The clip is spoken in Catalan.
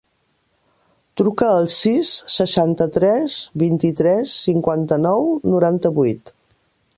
Truca al sis, seixanta-tres, vint-i-tres, cinquanta-nou, noranta-vuit.